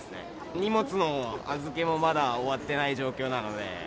荷物の預けもまだ終わってない状況なので。